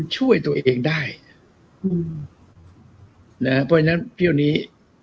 ไปช่วยตัวเองได้นะเพราะฉะนั้นเพลินทรีย์